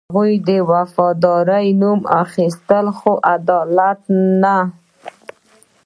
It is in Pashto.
هغوی د وفادارۍ نوم اخیسته، خو عدالت نه.